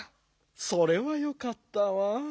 それはよかったわ。